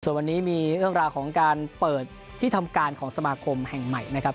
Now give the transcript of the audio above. ส่วนวันนี้มีเรื่องราวของการเปิดที่ทำการของสมาคมแห่งใหม่นะครับ